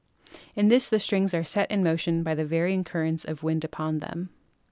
In this the strings are set in motion by the varying currents of wind upon them.